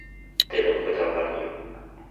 Tenemos que trabajar duro.